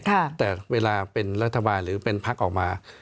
แต่เวลาเป็นรัฐบาลหรือเป็นพักออกมา